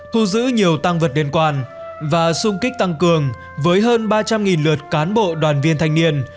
thu giữ nhiều tăng vật liên quan và xung kích tăng cường với hơn ba trăm linh lượt cán bộ đoàn viên thanh niên